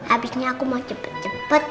abisnya aku mau cepet cepet